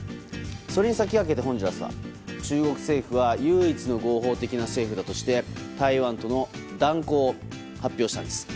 それに先駆けて、ホンジュラスは中国政府は唯一の合法的な政府だとして台湾との断交を発表したんです。